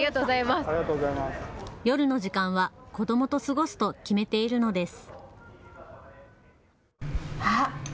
夜の時間は子どもと過ごすと決めているのです。